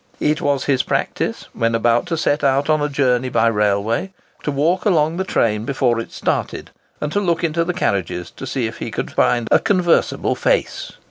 It was his practice, when about to set out on a journey by railway, to walk along the train before it started, and look into the carriages to see if he could find "a conversable face."